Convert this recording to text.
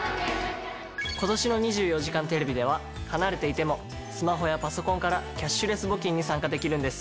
今年の『２４時間テレビ』では離れていてもスマホやパソコンからキャッシュレス募金に参加できるんです。